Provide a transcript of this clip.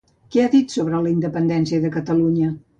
Què ha dit sobre la independència de Catalunya?